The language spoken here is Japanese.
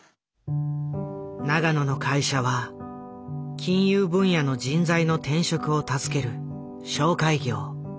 永野の会社は金融分野の人材の転職を助ける紹介業。